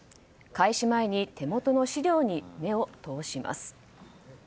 開始前に手元の資料に目を通します。